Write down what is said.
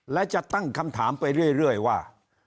และจะตั้งคำถามไปเรื่อยว่า